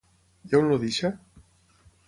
I on el deixa?